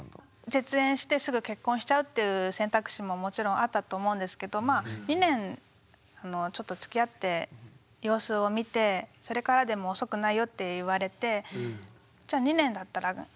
絶縁してすぐ結婚しちゃうっていう選択肢ももちろんあったと思うんですけどまあ２年ちょっとつきあって様子を見てそれからでも遅くないよって言われてじゃ２年だったらがんばれそうって思って。